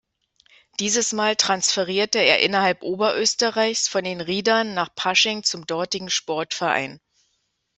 Dieses Mal transferierte er innerhalb Oberösterreichs von den Riedern nach Pasching zum dortigen Sportverein.